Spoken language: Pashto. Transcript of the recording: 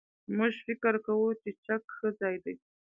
موږ فکر کوو چې چک ښه ځای دی.